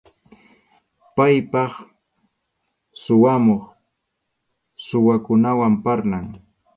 Paypaq suwamuq, suwakunawan parlan.